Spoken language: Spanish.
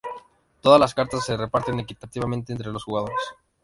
Todas las cartas se reparten equitativamente entre los jugadores.